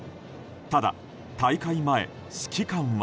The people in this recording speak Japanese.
ただ大会前、指揮官は。